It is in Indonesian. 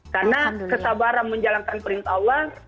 karena kesabaran menjalankan perintah allah